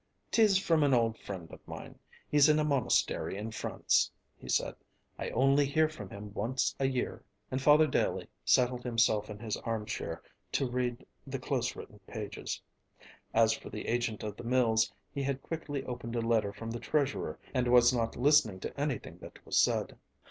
"'Tis from an old friend of mine; he's in a monastery in France," he said. "I only hear from him once a year," and Father Daley settled himself in his armchair to read the close written pages. As for the agent of the mills, he had quickly opened a letter from the treasurer and was not listening to anything that was said.